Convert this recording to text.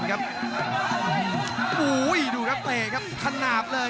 รับทราบบรรดาศักดิ์